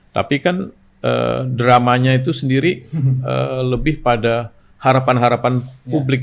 tapi kan dramanya itu sendiri lebih pada harapan harapan publik